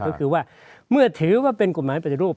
ก็คือว่าเมื่อถือว่าเป็นกฎหมายปฏิรูป